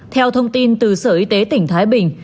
theo thông tin từ sở y tế tỉnh thái bình